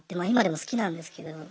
今でも好きなんですけど。